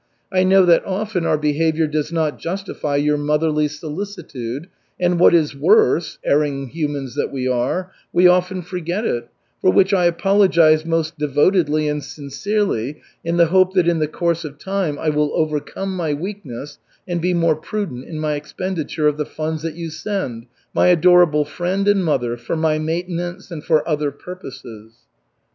I know that often our behavior does not justify your motherly solicitude, and what is worse, erring humans that we are, we often forget it, for which I apologize most devotedly and sincerely, in the hope that in the course of time I will overcome my weakness and be more prudent in my expenditure of the funds that you send, my adorable friend and mother, for my maintenance and for other purposes."